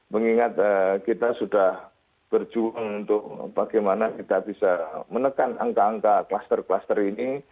mengingat kita sudah berjuang untuk bagaimana kita bisa menekan angka angka kluster kluster ini